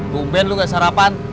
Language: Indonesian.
bu ben lu gak sarapan